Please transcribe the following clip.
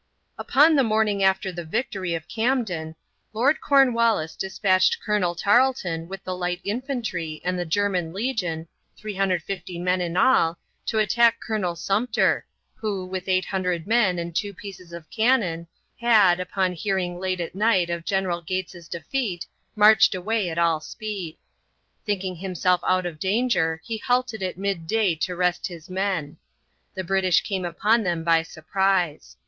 Upon the morning after the victory of Camden Lord Cornwallis dispatched Colonel Tarleton with the light infantry and the German legion, 350 men in all, to attack Colonel Sumpter, who, with 800 men and two pieces of cannon, had, upon hearing late at night of General Gates' defeat, marched away at all speed. Thinking himself out of danger he halted at midday to rest his men. The British came upon them by surprise.